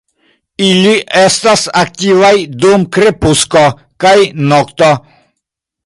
Ili estas aktivaj dum krepusko kaj nokto.